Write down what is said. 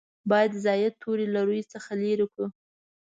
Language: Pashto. باید زاید توري له روي څخه لرې کړو.